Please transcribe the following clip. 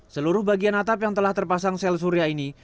seluruh bagian atap yang telah terpasang sel surya ini